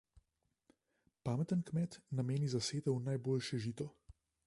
Pameten kmet nameni za setev najboljše žito.